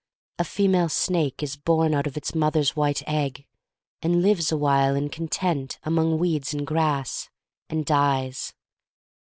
A female snake is born out of its mother's white egg, and lives awhile in content among weeds and grass, and dies.